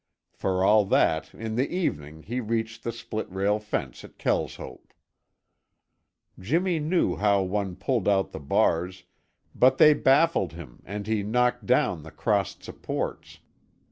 For all that, in the evening he reached the split rail fence at Kelshope. Jimmy knew how one pulled out the bars, but they baffled him and he knocked down the crossed supports.